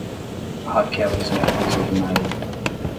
A Raquel usa uma blusa de nylon.